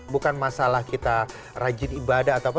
bukan masalah kita rajin ibadah atau apa